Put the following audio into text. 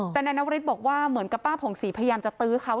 แต่นายนวริสบอกว่าเหมือนกับป้าผ่องศรีพยายามจะตื้อเขา